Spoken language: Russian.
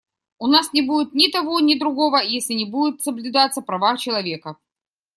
У нас не будет ни того, ни другого, если не будут соблюдаться права человека.